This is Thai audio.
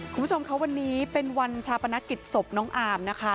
คุณผู้ชมค่ะวันนี้เป็นวันชาปนกิจศพน้องอามนะคะ